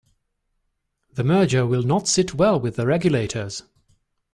The merger will not sit well with the regulators.